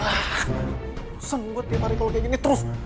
ah seneng banget dia hari kalau kayak gini terus